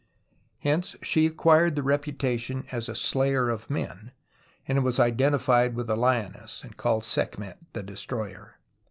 Hence she acquired the reputation as a slayer of men and was identified with a lioness, and called Sekhmet, the Destroyer.